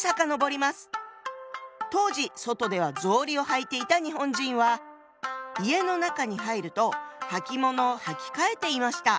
当時外では草履を履いていた日本人は家の中に入るとはきものを履き替えていました。